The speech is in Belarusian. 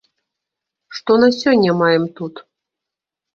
Што на сёння маем тут?